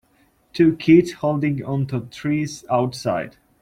Two kids holding onto trees outside.